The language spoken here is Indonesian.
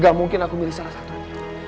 gak mungkin aku milih salah satunya